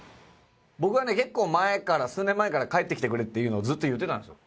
僕はね結構前から数年前から帰ってきてくれっていうのをずっと言ってたんですよ。